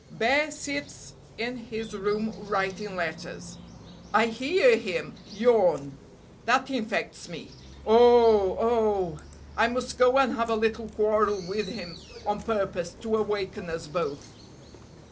Bear sits in his room writing letters. I hear him yawn; that infects me. Oh! oh! I must go and have a little quarrel with him on purpose to awaken us both.